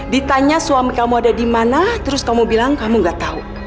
ditanya suami kamu ada di mana terus kamu bilang kamu gak tahu